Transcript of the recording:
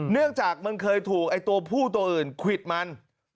เนื่องจากมันเคยถูกไอ้ตัวผู้ตัวอื่นควิดมัน